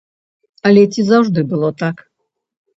Але ці заўжды было так?